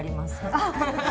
あっ！